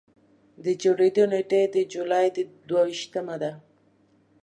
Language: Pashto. د جوړېدو نېټه یې د جولایي د دوه ویشتمه ده.